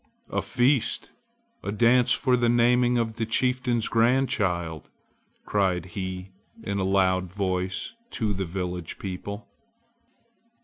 "A feast! a dance for the naming of the chieftain's grandchild!" cried he in a loud voice to the village people.